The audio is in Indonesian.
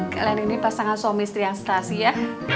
kalian ini pasangan suami istri yang strasi ya